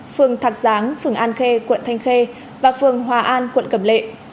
phương thạc giáng phương an khê quận thanh khê và phương hòa an quận cầm lệ